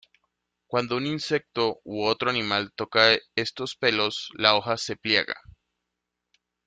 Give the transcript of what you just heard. Cuando un insecto u otro animal toca estos pelos la hoja se pliega.